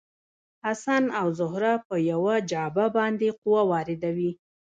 حسن او زهره په یوه جعبه باندې قوه واردوي.